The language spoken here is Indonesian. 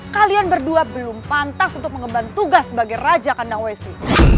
kalian berdua belum pantas untuk mengemban tugas sebagai raja kandang wesi